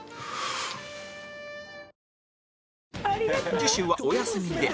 次週はお休みで